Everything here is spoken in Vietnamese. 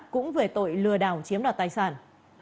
cũng về tội lừa đảo chiếm đoạt tài sản